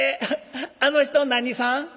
あの人何さん？」。